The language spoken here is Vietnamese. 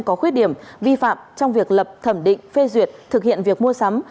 có khuyết điểm vi phạm trong việc lập thẩm định phê duyệt thực hiện việc mua sắm